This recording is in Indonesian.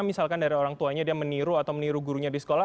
misalkan dari orang tuanya dia meniru atau meniru gurunya di sekolah